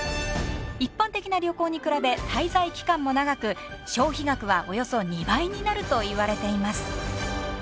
一般的な旅行に比べ滞在期間も長く消費額はおよそ２倍になるといわれています。